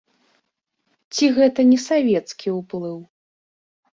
Ці гэта не савецкі ўплыў?